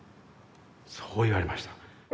そう言われました。